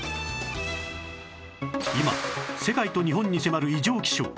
今世界と日本に迫る異常気象